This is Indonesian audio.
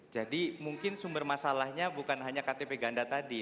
jadi mungkin sumber masalahnya bukan hanya ktp ganda tadi